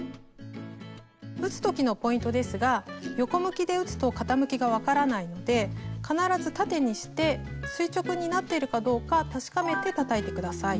打つ時のポイントですが横向きで打つと傾きが分からないので必ず縦にして垂直になっているかどうか確かめてたたいて下さい。